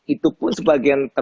itu pun sebagian